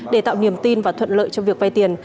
để tạo niềm tin và thuận lợi cho việc vay tiền